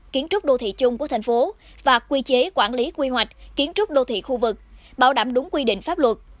kiến trúc đô thị chung của thành phố và quy chế quản lý quy hoạch kiến trúc đô thị khu vực bảo đảm đúng quy định pháp luật